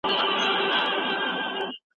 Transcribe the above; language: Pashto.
شاګرد ته لارښوونه کېږي.